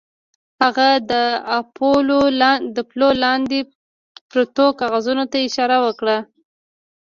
هغه د اپولو لاندې پرتو کاغذونو ته اشاره وکړه